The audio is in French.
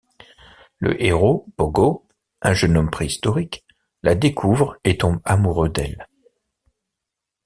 Le héros Pogo, un jeune homme préhistorique, la découvre et tombe amoureux d'elle.